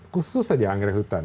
khusus saja anggrek hutan